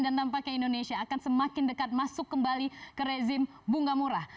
dan dampaknya indonesia akan semakin dekat masuk kembali ke rezim bunga murah